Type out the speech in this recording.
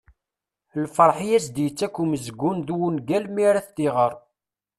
Lferḥ i as-d-yettak umezgun d wungal mi ara t-tɣer.